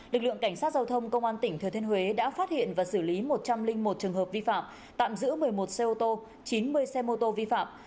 lực lượng cảnh sát giao thông công an tỉnh thừa thiên huế đã phát hiện và xử lý một trăm linh một trường hợp vi phạm tạm giữ một mươi một xe ô tô chín mươi xe mô tô vi phạm